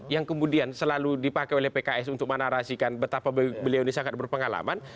yang kemudian selalu dipakai oleh pks untuk menarasikan betapa beliau ini sangat berpengalaman